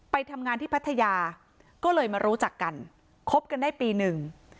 ไปทำงานที่พัทยาก็เลยมารู้จักกันคบกันได้ปีหนึ่ง